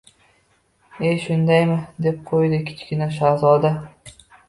— E, shundaymi? — deb qo‘ydi Kichkina shahzoda